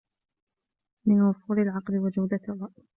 مِنْ وُفُورِ الْعَقْلِ وَجَوْدَةِ الرَّأْيِ